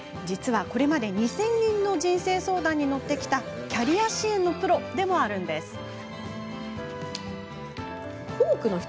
実は、これまで２０００人の人生相談に乗ってきたキャリア支援のプロでもあるんです。